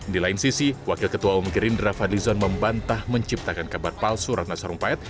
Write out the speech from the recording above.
di lain sisi wakil ketua umum gerindra fadlizon membantah menciptakan kabar palsu ratna sarumpait